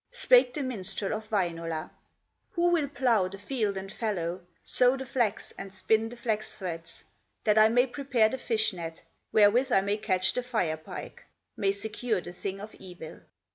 Spake the minstrel of Wainola: "Who will plow the field and fallow, Sow the flax, and spin the flax threads, That I may prepare the fish net, Wherewith I may catch the Fire pike, May secure the thing of evil?"